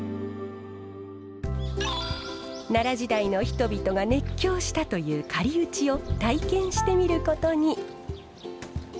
奈良時代の人々が熱狂したというかりうちを体験してみることに。